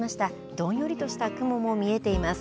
どんよりとした雲も見えています。